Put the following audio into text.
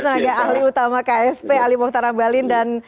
terima kasih tenaga ahli utama ksp ali mohtarambalin dan